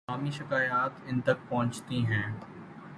عوامی شکایات ان تک پہنچتی ہیں۔